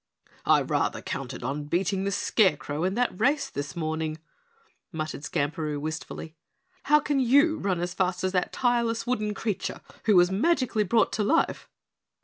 "I rather counted on beating the Scarecrow in that race this morning," muttered Skamperoo wistfully. "How can you run as fast as that tireless wooden creature who was magically brought to life?"